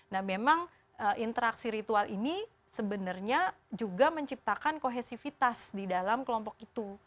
nah memang interaksi ritual ini sebenarnya juga menciptakan kohesivitas di dalam kelompok itu